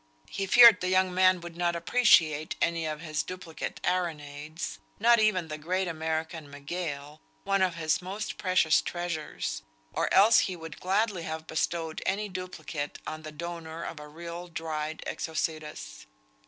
He feared the young man would not appreciate any of his duplicate Araneides; not even the great American Mygale, one of his most precious treasures; or else he would gladly have bestowed any duplicate on the donor of a real dried Exocetus.